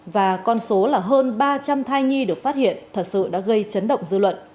và con số là hơn ba trăm linh thai nhi được phát hiện thật sự đã gây chấn động dư luận